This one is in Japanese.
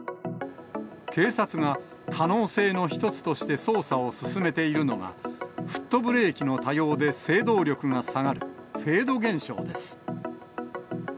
警察が可能性の一つとして捜査を進めているのが、フットブレーキの多用で制動力が下がるフェード現象です。